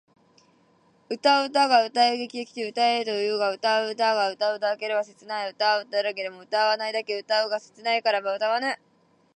歌うたいが歌うたいに来て歌うたえと言うが歌うたいが歌うたうだけうたい切れば歌うたうけれども歌うたいだけ歌うたい切れないから歌うたわぬ！？